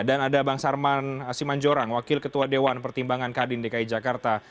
dan ada bang sarman simanjorang wakil ketua dewan pertimbangan kadin dki jakarta